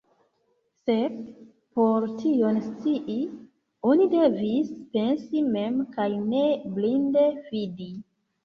Sed por tion scii, oni devis pensi mem, kaj ne blinde fidi.